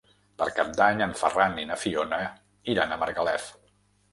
Per Cap d'Any en Ferran i na Fiona iran a Margalef.